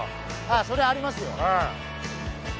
それありますよ。